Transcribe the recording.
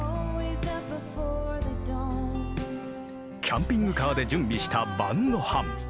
キャンピングカーで準備した晩ごはん。